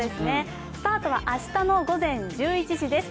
スタートは明日の午前１１時です。